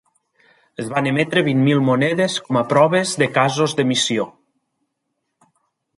Es van emetre vint mil monedes com a proves de casos d'emissió.